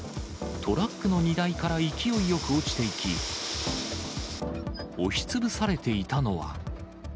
トラックの荷台から勢いよく落ちていき、押しつぶされていたのは。